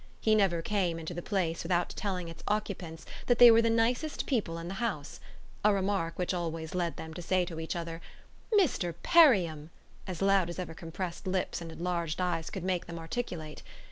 He never came into the place without telling its occupants that they were the nicest people in the house a remark which always led them to say to each other "Mr. Perriam!" as loud as ever compressed lips and enlarged eyes could make them articulate.